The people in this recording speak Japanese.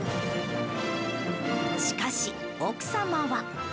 しかし、奥様は。